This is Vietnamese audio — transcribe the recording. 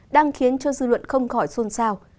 đang khiến cho dư luận không khỏi xôn xao